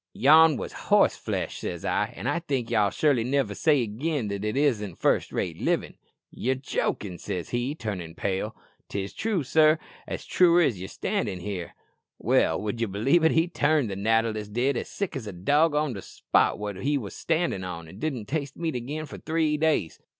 'Yon wos horse flesh,' says I; 'an' I think ye'll surely niver say again that it isn't first rate livin'.'" "'Ye're jokin',' says he, turnin' pale." "'It's true, sir; as true as ye're standin' there.'" "Well, would ye believe it, he turned that natter list did as sick as a dog on the spot wot he wos standin' on, an' didn't taste meat again for three days!"